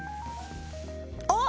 あっ！